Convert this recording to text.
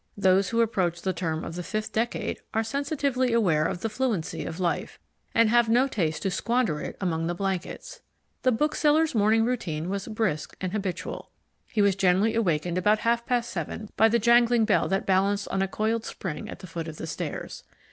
Those who approach the term of the fifth decade are sensitively aware of the fluency of life, and have no taste to squander it among the blankets. The bookseller's morning routine was brisk and habitual. He was generally awakened about half past seven by the jangling bell that balanced on a coiled spring at the foot of the stairs.